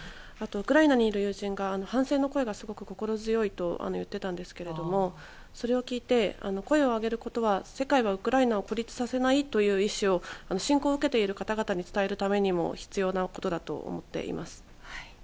あとウクライナにいる友人が反戦の声がすごく心強いと言っていたんですけどそれを聞いて声を上げることは世界はウクライナを孤立させないという意思を侵攻を受けている方々に伝えるためにも必要なことだと思っています。